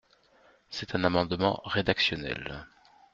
C’est un amendement rédactionnel.